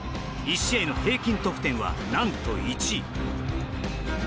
１試合の平均得点は、何と１位。